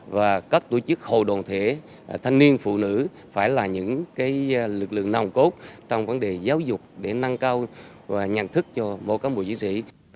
và các tổ chức hồ đồn thể thanh niên phụ nữ phải là những cái lực lượng nòng cốt trong vấn đề giáo dục để nâng cao và nhận thức cho bộ cán bộ diễn sĩ